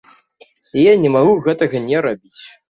І я не магу гэтага не рабіць.